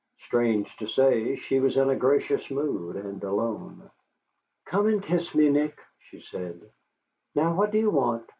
Strange to say, she was in a gracious mood and alone. "Come and kiss me, Nick," she said. "Now, what do you want?"